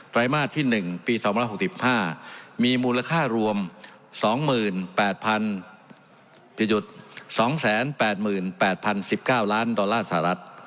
รายมาสที่๑ปี๒๖๕มีมูลค่ารวม๒๘๐๒๘๘๐๑๙ล้านดอลลาร์สหรัฐ